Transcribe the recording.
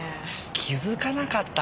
気づかなかったか？